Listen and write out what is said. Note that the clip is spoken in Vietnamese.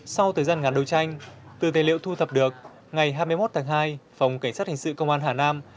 sau thời gian ngắn đấu tranh từ tài liệu thu thập được ngày hai mươi một tháng hai phòng cảnh sát hình sự công an hà nam